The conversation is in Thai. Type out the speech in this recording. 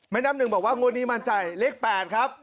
น้ำหนึ่งบอกว่างวดนี้มั่นใจเลข๘ครับ